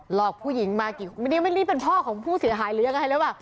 หลอกผู้หญิงมากี่นี่เป็นพ่อของผู้เสียหายหรือยังไงแล้วอ่ะ